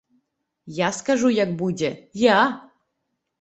Я скажу, як будзе, я!